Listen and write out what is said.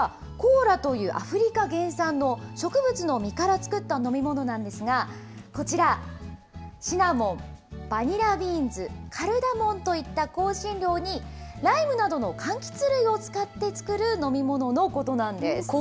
もともと、このコーラということばの語源は、コーラというアフリカ原産の植物の実から作った飲み物なんですが、こちら、シナモン、バニラビーンズ、カルダモンといった香辛料に、ライムなどのかんきつ類を使って作る飲み物のことなんです。